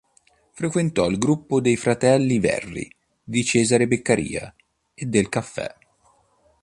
Frequentò il gruppo dei fratelli Verri, di Cesare Beccaria e del "Caffè".